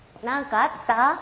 何かあった？